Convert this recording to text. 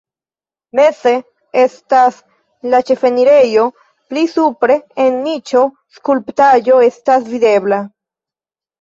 Meze estas la ĉefenirejo, pli supre en niĉo skulptaĵo estas videbla.